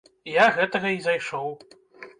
Я гэтага і зайшоў.